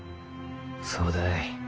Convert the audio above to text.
そうだい。